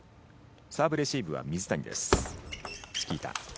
サーブレシーブは水谷です。